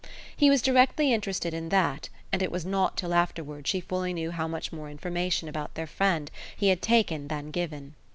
He was directly interested in that, and it was not till afterwards she fully knew how much more information about their friend he had taken than given.